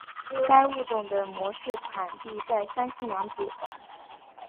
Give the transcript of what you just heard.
该物种的模式产地在山西娘子关。